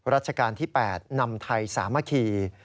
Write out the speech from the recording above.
ราชการที่๘นำไทยสามัคคี